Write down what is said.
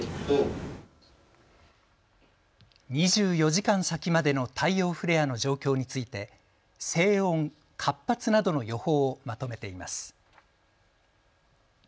２４時間先までの太陽フレアの状況について静穏、活発などの予報をまとめています。